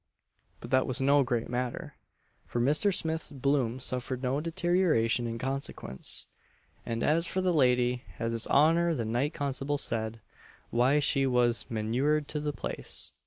But that was no great matter; for Mr. Smith's bloom suffered no deterioration in consequence; and as for the lady, as his honour the Night Constable said, why she was "manured to the place."